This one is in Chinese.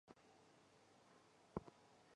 涉嫌犯罪问题已移送司法机关处理。